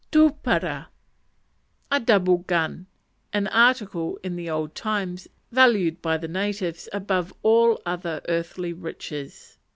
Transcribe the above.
Tupara A double gun; an article, in the old times, valued by the natives above all other earthly riches.